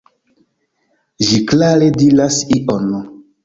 Ĝi klare diras ion.